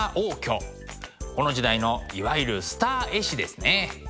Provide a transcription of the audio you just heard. この時代のいわゆるスター絵師ですね。